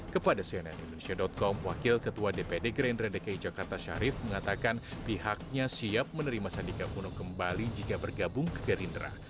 kepada cnn indonesia com wakil ketua dpd gerindra dki jakarta syarif mengatakan pihaknya siap menerima sandiaga uno kembali jika bergabung ke gerindra